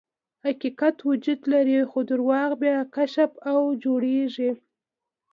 حقیقت وجود لري، خو درواغ بیا کشف او جوړیږي.